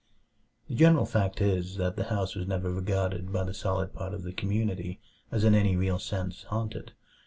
The general fact is, that the house was never regarded by the solid part of the community as in any real sense "haunted."